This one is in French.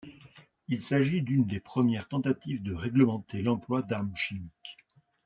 Il s'agit d'une des premières tentatives de réglementer l'emploi d'armes chimiques.